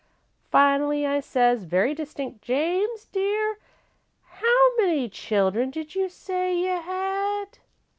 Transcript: Finally, I says, very distinct: 'James, dear, how many children did you say you had?'